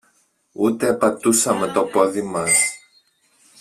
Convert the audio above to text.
Ούτε πατούσαμε το πόδι μας